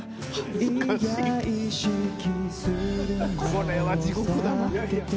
これは地獄だな。